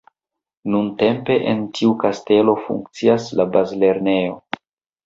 Nuntempe en tiu kastelo funkcias la bazlernejo.